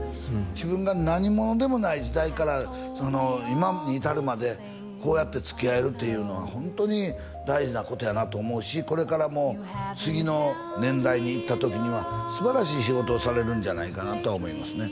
自分が何者でもない時代から今に至るまでこうやってつきあえるっていうのはホントに大事なことやなと思うしこれからも次の年代にいった時にはすばらしい仕事をされるんじゃないかなと思いますね